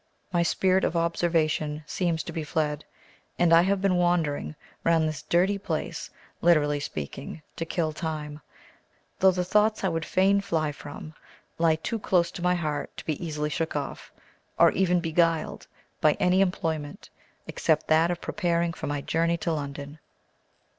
My spirit of observation seems to be fled, and I have been wandering round this dirty place, literally speaking, to kill time, though the thoughts I would fain fly from lie too close to my heart to be easily shook off, or even beguiled, by any employment, except that of preparing for my journey to London.